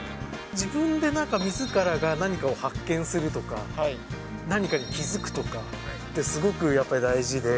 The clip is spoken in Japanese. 自分でなんか、みずからが発見するとか、何かに気付くとかって、すごくやっぱり大事で。